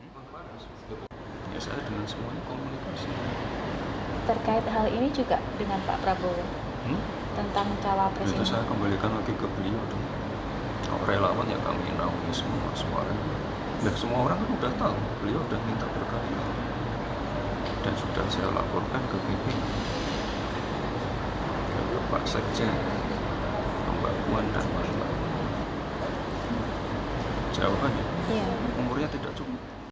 masa yang diakini sebagai relawan jokowi ini nantinya akan mendapatkan arahan untuk menjadi capres